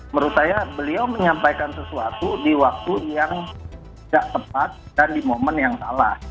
menurut saya beliau menyampaikan sesuatu di waktu yang tidak tepat dan di momen yang salah